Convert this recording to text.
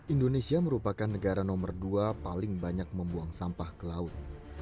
indonesia merupakan negara nomor dua paling banyak membuang sampah ke laut